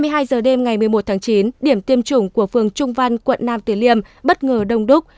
hai mươi hai giờ đêm ngày một mươi một tháng chín điểm tiêm chủng của phường trung văn quận nam tiến liêm bất ngờ đông đúc